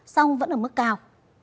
xong vẫn ở mức cao